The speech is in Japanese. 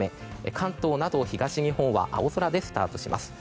関東など東日本は青空でスタートします。